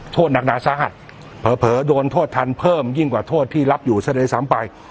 โทษนักนาสาหัสเผอเผอโดนโทษทันเพิ่มยิ่งกว่าโทษที่รับอยู่เสด็จสามไป